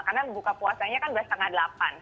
karena buka puasanya kan udah setengah delapan